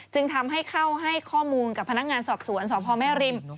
จึงทำให้เข้าให้ข้อมูลกับพนักงานสอบสวนสพแม่ริม